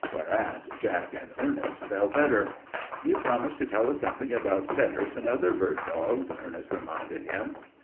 Whereat Jack and Ernest felt better. "You promised to tell us something about setters and other bird dogs," Ernest reminded him.